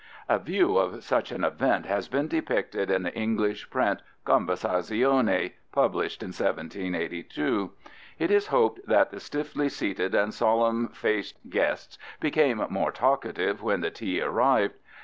" A view of such an event has been depicted in the English print Conversazioni (fig. 4), published in 1782. It is hoped that the stiffly seated and solemn faced guests became more talkative when the tea arrived.